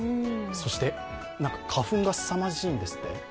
そして花粉がすさまじいんですって？